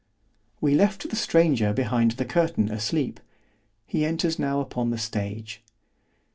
We left the stranger behind the curtain asleep——he enters now upon the stage.